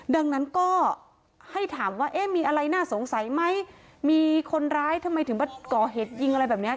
ดังนั้นก็ให้ถามว่าเอ๊ะมีอะไรน่าสงสัยไหมมีคนร้ายทำไมถึงมาก่อเหตุยิงอะไรแบบเนี้ย